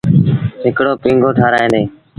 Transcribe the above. هڪڙو پيٚنگو ٺآرآيآندي۔